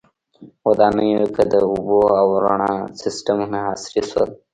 • ودانیو کې د اوبو او رڼا سیستمونه عصري شول.